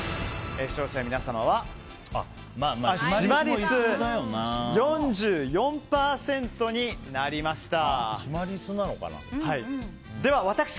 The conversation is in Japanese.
視聴者の皆様はシマリス、４４％になりました。